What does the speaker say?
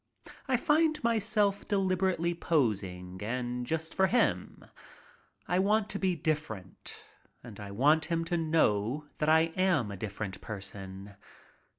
I find myself deliberately posing and just for him. I want to be different, and I want him to know that I am a different person.